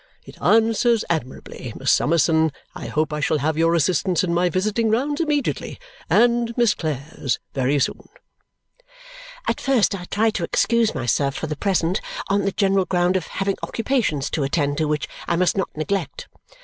It answers admirably! Miss Summerson, I hope I shall have your assistance in my visiting rounds immediately, and Miss Clare's very soon." At first I tried to excuse myself for the present on the general ground of having occupations to attend to which I must not neglect.